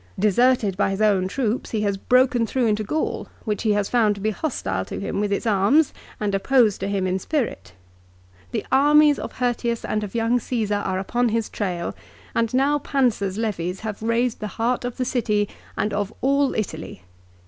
Deserted by his own troops he has broken through into Gaul, which he has found to be hostile to him with its arms and opposed to him in spirit. The armies of Hirtius and of young Caesar are upon his trail ; and now Pansa's levies have raised the heart of the city and of all Italy.